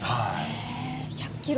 へえ１００ｋｇ。